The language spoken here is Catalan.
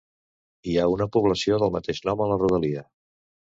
Hi ha una població del mateix nom a la rodalia.